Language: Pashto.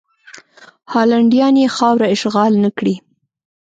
هالنډیان یې خاوره اشغال نه کړي.